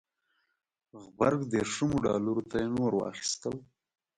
غبرګ دېرشمو ډالرو ته یې نور واخیستل.